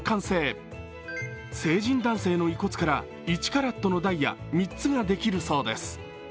成人男性の遺骨から１カラットのダイヤ３つができるそうです。